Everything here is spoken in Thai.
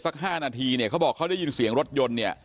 ๕นาทีเนี่ยเขาบอกเขาได้ยินเสียงรถยนต์เนี่ย